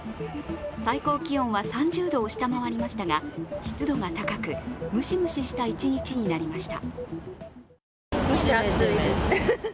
最高気温は３０度を下回りましたが、湿度が高く、ムシムシした一日になりました。